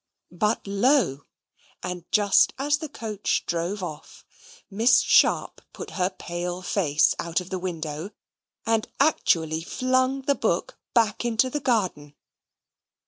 But, lo! and just as the coach drove off, Miss Sharp put her pale face out of the window and actually flung the book back into the garden.